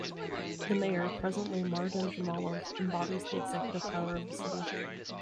The mayor, presently Mardan Jamalov, embodies the executive power of the city.